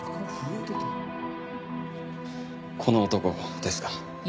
この男ですか？